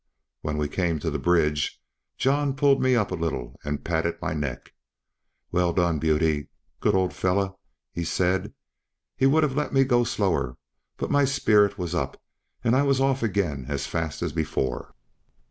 When we came to the bridge, John pulled me up a little and patted my neck. "Well done, Beauty! good old fellow," he said. He would have let me go slower, but my spirit was up, and I was off again as fast as before.